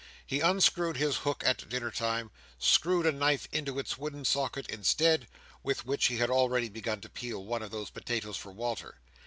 He unscrewed his hook at dinner time, and screwed a knife into its wooden socket instead, with which he had already begun to peel one of these potatoes for Walter.